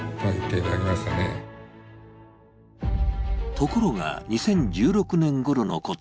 ところが、２０１６年ごろのこと。